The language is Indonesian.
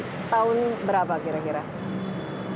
tahun berapa kira kira